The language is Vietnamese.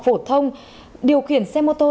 phổ thông điều khiển xe mô tô